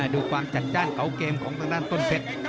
ดูความจัดจ้านเก่าเกมของทางด้านต้นเพชร